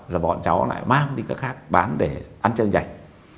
rồi bọn cháu lại mang đi các khác bán để ăn chân dạch